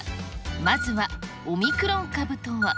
まずはオミクロン株とは。